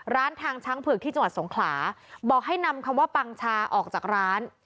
ทางช้างเผือกที่จังหวัดสงขลาบอกให้นำคำว่าปังชาออกจากร้าน